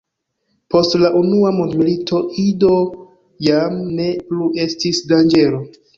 Post la unua mondmilito Ido jam ne plu estis danĝero.